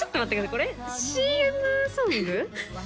これＣＭソング？